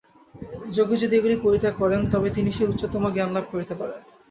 যোগী যদি এগুলি পরিত্যাগ করেন, তবেই তিনি সেই উচ্চতম জ্ঞানলাভ করিতে পারেন।